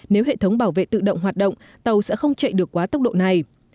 nếu hệ thống bảo vệ tự động hoạt động tàu sẽ không chạy được quá tốc độ này